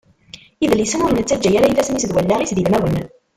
Idlisen ur nettaǧa ara ifassen-is d wallaɣ-is d ilmawen.